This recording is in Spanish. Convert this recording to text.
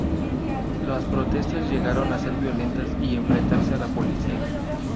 Las protestas llegaron a ser violentas y enfrentarse a la policía.